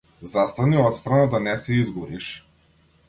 Застани отсрана да не се изгориш.